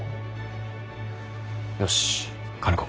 よし兼子。